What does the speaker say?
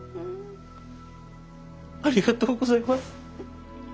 ありがとうございます。